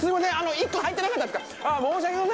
１個入ってなかったですか？